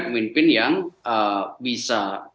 pemimpin yang bisa